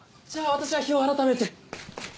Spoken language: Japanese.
じゃあ私は日を改めて。